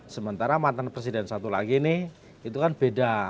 sementara mantan presiden satu lagi nih itu kan beda